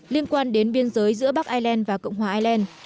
liên quan đến biên giới giữa bắc ireland và cộng hòa ireland